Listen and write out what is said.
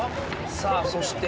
さあそして。